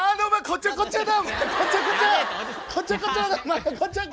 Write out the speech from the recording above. こちょこちょ！